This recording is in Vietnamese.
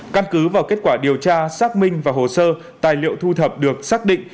căn cứ vào kết quả điều tra xác minh và hồ sơ tài liệu thu thập được xác định